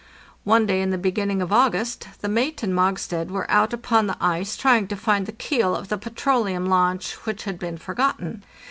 One day in the beginning of August the mate and Mogstad were out upon the ice trying to find the keel of the petroleum launch, which had been forgotten.